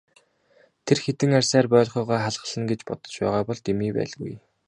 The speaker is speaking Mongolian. Тэр хэдэн арьсаар боольхойгоо халхална гэж бодож байгаа бол дэмий байлгүй.